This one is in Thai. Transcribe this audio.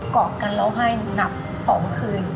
เกาะกันเราให้นับ๒คืน